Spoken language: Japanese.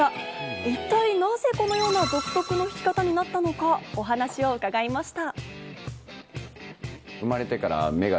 一体なぜこのような独特な弾き方になったのかお話を伺いました。